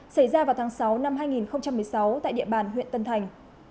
xảy ra vào tháng sáu năm hai nghìn một mươi sáu tại địa bàn huyện tân thành